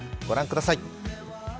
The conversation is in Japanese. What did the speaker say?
ご覧ください。